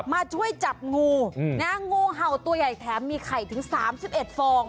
มาช่วยจับงูนะงูเห่าตัวใหญ่แถมมีไข่ถึง๓๑ฟอง